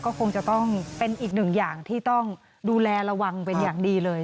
ก็คงจะต้องเป็นอีกหนึ่งอย่างที่ต้องดูแลระวังเป็นอย่างดีเลย